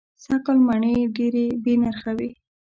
سږ کال مڼې دېرې بې نرخه وې.